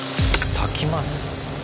たきます？